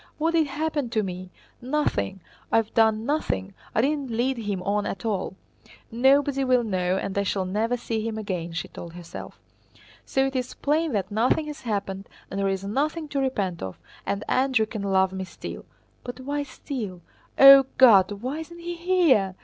What did happen to me? Nothing! I have done nothing, I didn't lead him on at all. Nobody will know and I shall never see him again," she told herself. "So it is plain that nothing has happened and there is nothing to repent of, and Andrew can love me still. But why 'still?' O God, why isn't he here?"